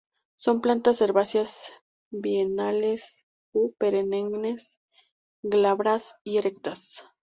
Son plantas herbáceas bienales o perennes, glabras y erectas.